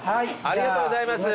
ありがとうございます。